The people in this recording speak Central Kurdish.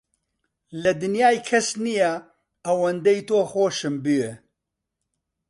لە دنیایێ کەس نییە ئەوەندەی توو خۆشم بوێ.